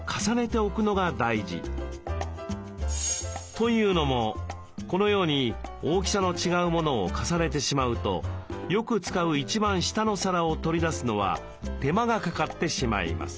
というのもこのように大きさの違うモノを重ねてしまうとよく使う一番下の皿を取り出すのは手間がかかってしまいます。